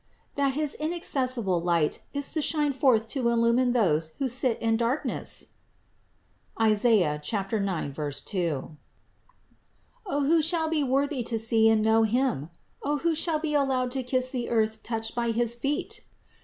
That his inacces sible light is to shine forth to illumine those who sit in darkness? (Is. 9, 2). O, who shall be worthy to see and know Him! O, who shall be allowed to kiss the earth touched by his feet!"